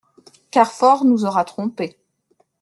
Carfor nous aura trompés.